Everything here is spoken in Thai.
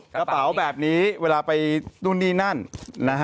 กระเป๋าแบบนี้เวลาไปนู่นนี่นั่นนะฮะ